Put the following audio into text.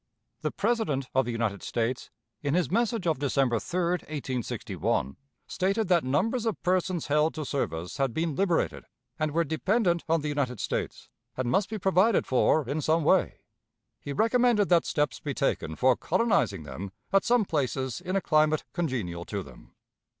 The President of the United States, in his message of December 3, 1861, stated that numbers of persons held to service had been liberated and were dependent on the United States, and must be provided for in some way. He recommended that steps be taken for colonizing them at some places in a climate congenial to them.